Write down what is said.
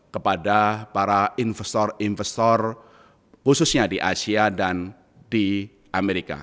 kepada para investor investor khususnya di asia dan di amerika